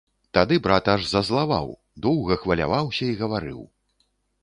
Тады брат аж зазлаваў, доўга хваляваўся і гаварыў.